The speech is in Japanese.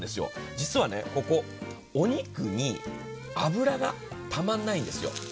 実はここ、お肉に脂がたまらないんですよ。